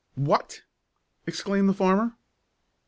"What!" exclaimed the farmer.